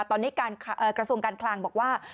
ตอนนี้กระทรวงการคลังบอกว่า